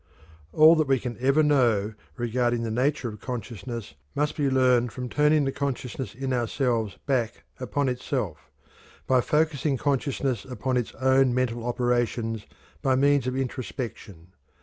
All that we can ever know regarding the nature of consciousness must be learned from turning the consciousness in ourselves back upon itself by focusing consciousness upon its own mental operations by means of introspection.